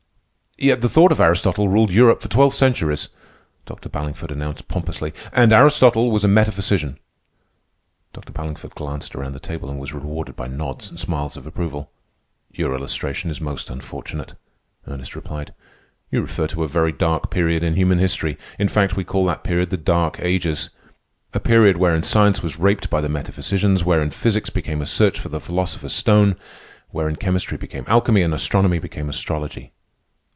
"Yet the thought of Aristotle ruled Europe for twelve centuries," Dr. Ballingford announced pompously. "And Aristotle was a metaphysician." Dr. Ballingford glanced around the table and was rewarded by nods and smiles of approval. "Your illustration is most unfortunate," Ernest replied. "You refer to a very dark period in human history. In fact, we call that period the Dark Ages. A period wherein science was raped by the metaphysicians, wherein physics became a search for the Philosopher's Stone, wherein chemistry became alchemy, and astronomy became astrology.